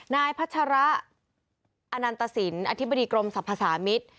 นายพัชระอนันตสินอธิบดีกรมสรรพสามิตร